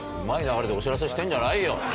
うまい流れでお知らせしてんじゃないよ。